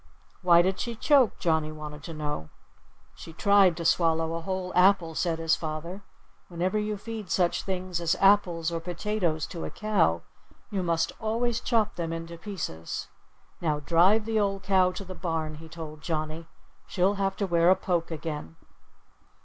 "Why did she choke?" Johnnie wanted to know. "She tried to swallow a whole apple," said his father. "Whenever you feed such things as apples or potatoes to a cow you must always chop them into pieces.... Now drive the old cow to the barn," he told Johnnie. "She'll have to wear a poke again."